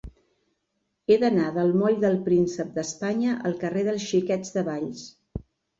He d'anar del moll del Príncep d'Espanya al carrer dels Xiquets de Valls.